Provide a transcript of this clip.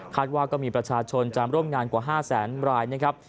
คาดว่าก็มีประชาชนจามร่วมงานกว่า๕๐๐๐๐๐รายนะครับ